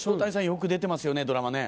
よく出てますよねドラマね。